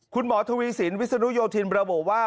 คุณหมอทวีสินวิศนุโยธินระบุว่า